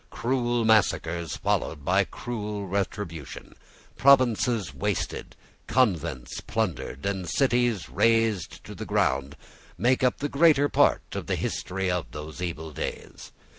Cruel massacres followed by cruel retribution, provinces wasted, convents plundered, and cities rased to the ground, make up the greater part of the history of those evil days.